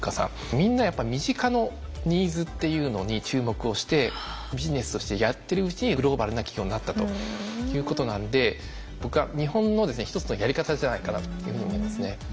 みんなやっぱ身近のニーズっていうのに注目をしてビジネスとしてやってるうちにグローバルな企業になったということなんで僕は日本のですね一つのやり方じゃないかなというふうに思いますね。